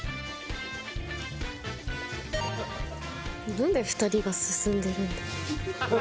なんで２人が進んでるんだ？